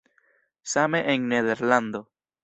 Same en Nederlando.